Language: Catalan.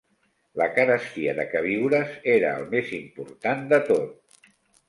La carestia de queviures era el més important de tot